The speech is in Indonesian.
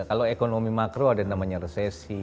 kalau ekonomi makro ada yang namanya resesi